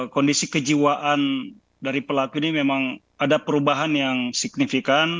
kondisi kejiwaan dari pelaku ini memang ada perubahan yang signifikan